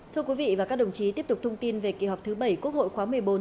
thưa quý vị và các đồng chí tiếp tục thông tin về kỳ họp thứ bảy quốc hội khóa một mươi bốn